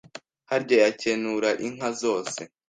Harya yakenura inka zose